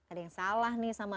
ada yang salah nih sama